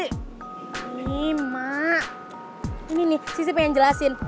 ini mak ini nih sisi pengen jelasin